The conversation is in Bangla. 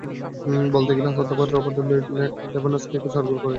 বলতে গেলে গতবার রবার্ট লেভানডফস্কি চার গোল করে একাই হারিয়ে দিয়েছিলেন রিয়ালকে।